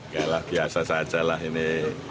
gaklah biasa saja lah ini